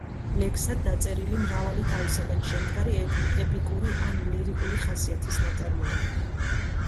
ლექსად დაწერილი მრავალი თავისაგან შემდგარი ეპიკური, ან ლირიკული ხასიათის ნაწარმოები.